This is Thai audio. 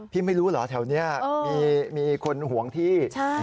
ไม่รู้เหรอแถวนี้มีคนห่วงที่